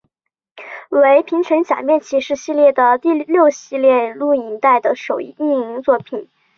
为平成假面骑士系列的第六系列录影带首映作品。